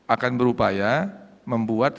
akan berupaya membuat